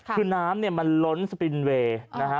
คือน้ำมันล้นสปินเวย์